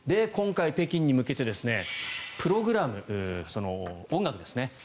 今回、北京に向けてプログラム、音楽ですね。